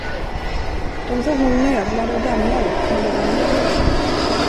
De såg nog möglade och gamla ut, men det var ändå bröd.